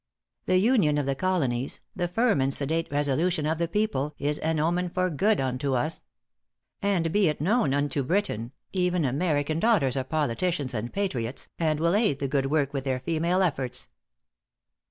The union of the Colonies, the firm and sedate resolution of the people, is an omen for good unto us. And be it known unto Britain, even American daughters are politicians and patriots, and will aid the good work with their female efforts.''.